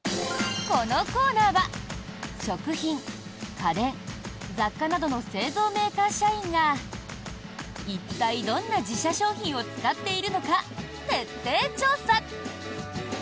このコーナーは食品、家電、雑貨などの製造メーカー社員が一体、どんな自社商品を使っているのか徹底調査！